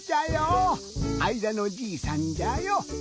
あいだのじいさんじゃよ！